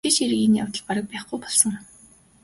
Мэдээж хэрэг энэ явдал бараг байхгүй болсон.